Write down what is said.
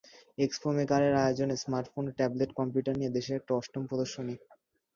Expo মেকারের আয়োজনে smartphone ও ট্যাবলেট কম্পিউটার নিয়ে দেশে এটা অষ্টম প্রদর্শনী।